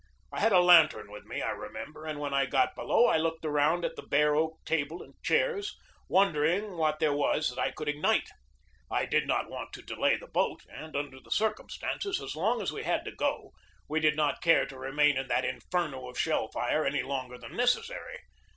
I had a lantern with me, I remember, and ioo GEORGE DEWEY when I got below I looked around at the bare oak table and chairs, wondering what there was that I could ignite. I did not want to delay the boat, and, under the circumstances, as long as we had to go, we did not care to remain in that inferno of shell fire any longer than necessary.